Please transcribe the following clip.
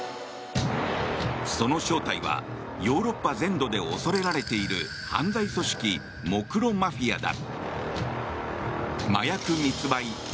その正体は、ヨーロッパ全土で恐れられている犯罪組織モクロ・マフィアだ。